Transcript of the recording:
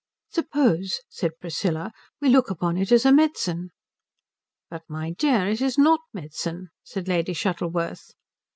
"Suppose," said Priscilla, "we look upon it as medicine." "But my dear, it is not medicine," said Lady Shuttleworth.